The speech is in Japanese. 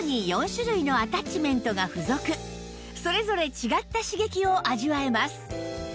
さらにそれぞれ違った刺激を味わえます